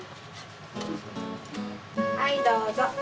はいどうぞ。